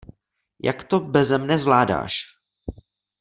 Jak to beze mne zvládáš?